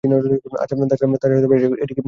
তাছাড়া এটা কি বিশ্বাসযোগ্য শোনাচ্ছে?